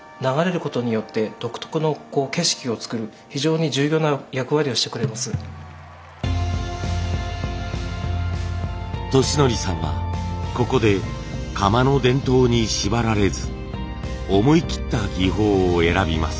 でその性質を利用しまして利訓さんはここで窯の伝統に縛られず思い切った技法を選びます。